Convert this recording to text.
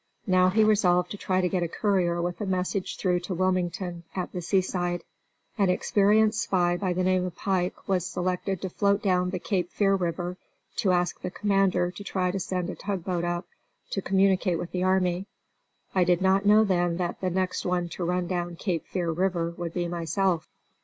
Now he resolved to try to get a courier with a message through to Wilmington, at the seaside. An experienced spy by the name of Pike was selected to float down the Cape Fear River to ask the commander to try to send a tugboat up, to communicate with the army. I did not know then that the next one to run down Cape Fear River would be myself.